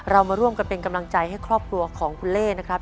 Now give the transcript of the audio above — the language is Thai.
เรามาร่วมกันเป็นกำลังใจให้ครอบครัวของคุณเล่นะครับ